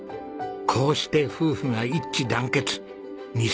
こうして夫婦が一致団結。